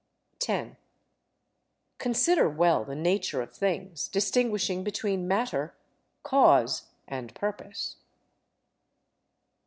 10. Consider well the nature of things, distinguishing between matter, cause, and purpose.